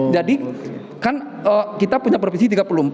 jadi kan kita punya provinsi tiga puluh empat